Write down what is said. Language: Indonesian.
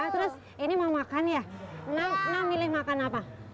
terus ini mau makan ya enam milih makan apa